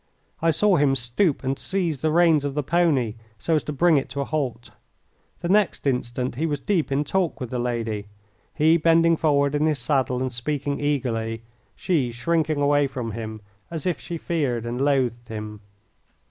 I saw him stoop and seize the reins of the pony, so as to bring it to a halt. The next instant he was deep in talk with the lady, he bending forward in his saddle and speaking eagerly, she shrinking away from him as if she feared and loathed him.